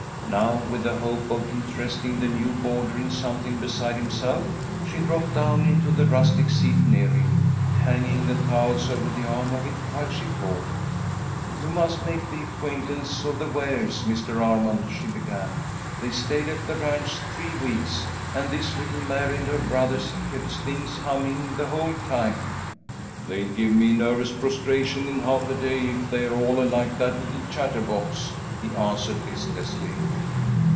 Now with the hope of interesting the new boarder in something beside himself, she dropped down into the rustic seat near him, hanging the towels over the arm of it while she talked. "You must make the acquaintance of the Wares, Mr. Armond," she began. "They stayed at the ranch three weeks, and this little Mary and her brothers kept things humming, the whole time." "They'd give me nervous prostration in half a day, if they're all like that little chatterbox," he answered, listlessly.